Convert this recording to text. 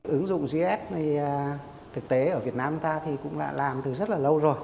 ứng dụng gis thực tế ở việt nam ta cũng đã làm từ rất lâu rồi